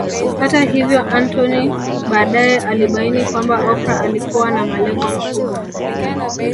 Hata hivyo Anthony baadae alibaini kwamba Oprah alikuwa na malengo makubwa